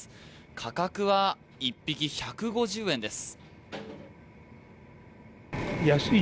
価格は１匹１５０円です。